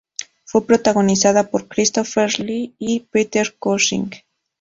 Fue protagonizada por Christopher Lee y Peter Cushing.